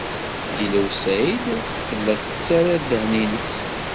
Lila u Saɛid tella tettarra ddehn-nnes.